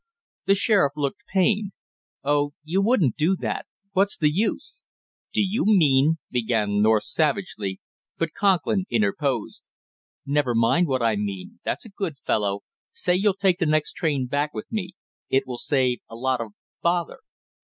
The sheriff looked pained. "Oh, you won't do that what's the use?" "Do you mean " began North savagely, but Conklin interposed. "Never mind what I mean, that's a good fellow; say you'll take the next train back with me; it will save a lot of, bother!"